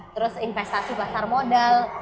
terus investasi pasar modal